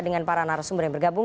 dengan para narasumber yang bergabung